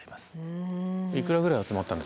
いくらぐらい集まったんですか？